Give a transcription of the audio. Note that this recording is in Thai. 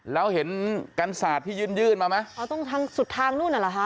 แล้วเห็นกันศาสตร์ที่ยื่นยื่นมาไหมอ๋อตรงทางสุดทางนู้นอ่ะเหรอคะ